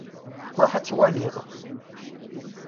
Ruḥ ad twaliḍ.